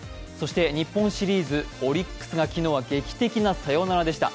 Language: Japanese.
日本シリーズ、オリックスが昨日は劇的なサヨナラでした。